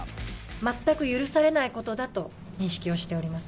全く許されないことだと認識をしております。